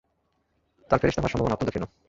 তাঁর ফেরেশতা হওয়ার সম্ভাবনা অত্যন্ত ক্ষীণ।